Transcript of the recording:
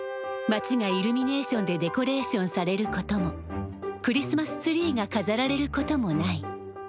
街がイルミネーションでデコレーションされることもクリスマスツリーがかざられることもない。